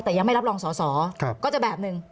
แต่ยังไม่รับรองสอสอก็จะแบบหนึ่ง